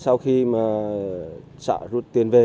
sau khi mà xã rút tiền về